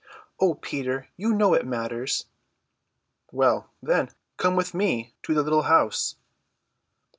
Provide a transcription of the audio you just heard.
"O Peter, you know it matters." "Well, then, come with me to the little house."